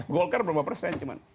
golkar berapa persen cuman